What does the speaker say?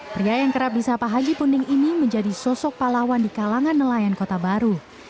pria yang kerap disapa haji punding ini menjadi sosok pahlawan di kalangan nelayan kota baru